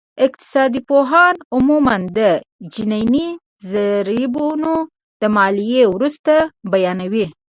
اقتصادپوهان عموماً د جیني ضریبونه د ماليې وروسته بیانوي